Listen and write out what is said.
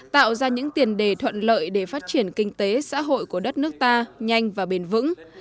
tạo ra những tiền đề thuận lợi để phát triển kinh tế xã hội của đất nước ta nhanh và bền vững